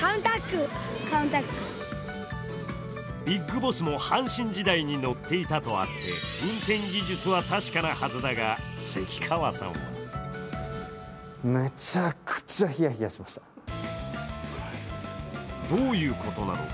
ビッグボスも阪神時代に乗っていたとあって運転技術は確かなはずだが、関川さんはどういうことなのか？